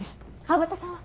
川端さんは？